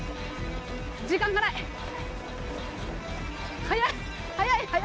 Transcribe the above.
時間がない！